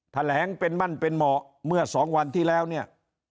แถลงเป็นมั่นเป็นเหมาะเมื่อสองวันที่แล้วเนี่ย